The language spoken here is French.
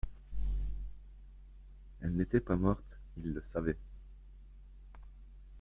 Elle n'était pas morte, il le savait.